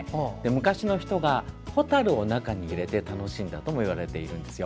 昔の人がホタルを中に入れて楽しんだとも言われているんですよ。